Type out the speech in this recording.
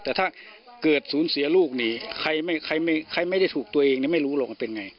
แต่ถ้าเกิดสูญเสียลูกนี่ใครไม่ได้ถูกตัวเองไม่รู้หรอกมันเป็นไง